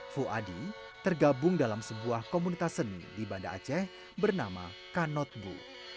fu adi tergabung dalam sebuah komunitas seni di bandar aceh bernama kanotbu